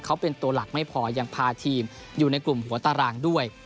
เขาเป็นตัวหลักไม่พอยังพาทีมอยู่ในกลุ่มหัวตารางด้วย